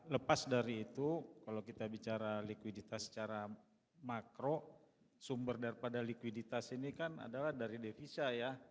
lepas dari itu kalau kita bicara likuiditas secara makro sumber daripada likuiditas ini kan adalah dari devisa ya